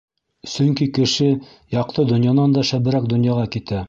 Сөнки кеше яҡты донъянан да шәберәк донъяға китә.